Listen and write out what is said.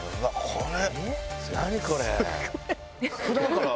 これ。